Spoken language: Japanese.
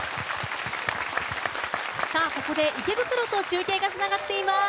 ここで池袋と中継がつながっています。